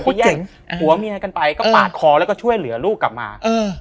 เขาแย่งผัวเมียกันไปก็ปาดคอแล้วก็ช่วยเหลือลูกกลับมา